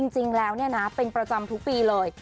จริงแล้วเนี่ยนะเป็นประจำทุกปีเลย